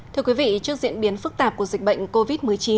thưa quý vị trước diễn biến phức tạp của dịch bệnh covid một mươi chín